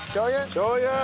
しょう油！